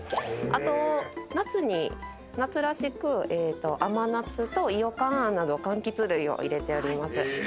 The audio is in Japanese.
あと夏に夏らしく甘夏と伊予柑餡などかんきつ類を入れております。